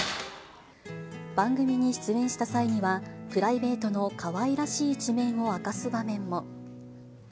番組に出演した際には、プライベートのかわいらしい一面を明かす場面も。